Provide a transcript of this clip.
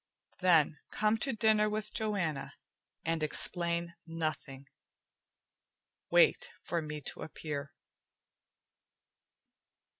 "Then come to dinner with Joanna and explain nothing. Wait for me to appear."